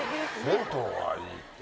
銭湯がいいって。